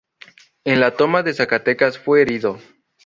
En la Toma de Zacatecas fue herido.